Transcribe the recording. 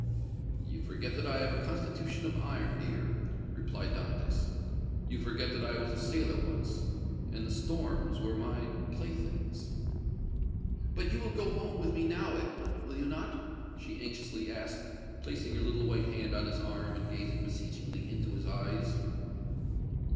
"You forget that I have a constitution of iron, dear," replied Dantès; "you forget that I was a sailor once, and the storms were my playthings!" "But you will go home with me now, Edmond, will you not?" she anxiously asked, placing her little white hand on his arm and gazing beseechingly into his eyes.